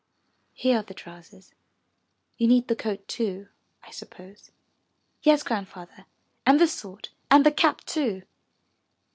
Here are the trousers. You need the coat too, I suppose." "Yes, Grandfather, and the sword, and the cap too."